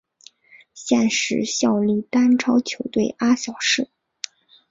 现时效力丹超球队阿晓士。